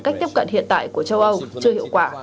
cách tiếp cận hiện tại của châu âu chưa hiệu quả